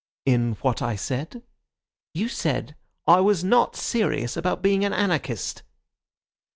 "In what I said?" "You said I was not serious about being an anarchist."